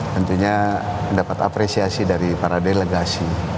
tentunya mendapat apresiasi dari para delegasi